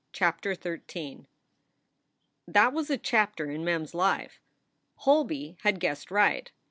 CHAPTER XIII r "pHAT was a chapter in Mem s life. 1 Holby had guessed right.